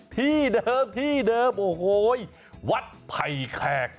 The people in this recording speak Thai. ที่เดิมที่เดิมวัดไพรแคก